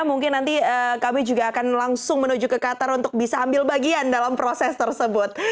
mungkin nanti kami juga akan langsung menuju ke qatar untuk bisa ambil bagian dalam proses tersebut